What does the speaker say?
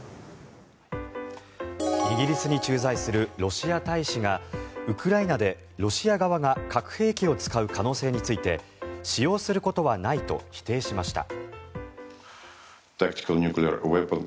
イギリスに駐在するロシア大使がウクライナでロシア側が核兵器を使う可能性について使用することはないと否定しました。